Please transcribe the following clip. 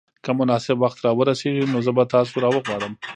که مناسب وخت را ورسېږي نو زه به تاسو راوغواړم.